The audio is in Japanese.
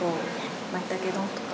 まいたけ丼とか。